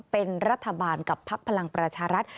เป็นรัฐบาลกับพักพลังประชารัฐ